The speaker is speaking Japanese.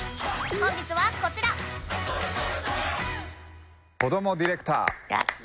本日はこちら「こどもディレクター」やった。